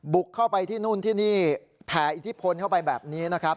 บุกเข้าไปที่นู่นที่นี่แผ่อิทธิพลเข้าไปแบบนี้นะครับ